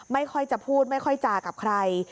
ไม่ค่อยจะพูดไม่ค่อยจากับใคร